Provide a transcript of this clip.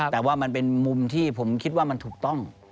แต่ว่ามันเป็นมุมที่ผมคิดว่ามันถูกต้อง